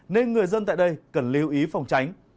nên người dân tại đây cần lưu ý phòng tránh